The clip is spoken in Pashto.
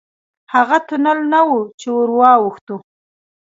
هغه تونل نه و چې ورواوښتو.